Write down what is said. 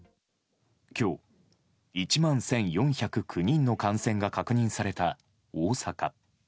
きょう、１万１４０９人の感染が確認された大阪。